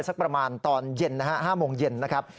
สักประมาณตอนเย็นนะฮะ๕โมงเย็นนะครับ